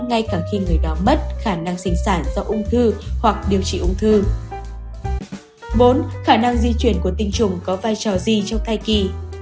ngay cả khi người đó mất khả năng sinh sản do ung thư hoặc điều trị ung thư